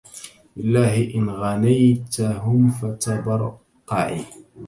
بالله إن غنيتهم فتبرقعي